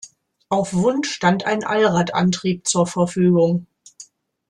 Auf Wunsch stand ein Allradantrieb zur Verfügung.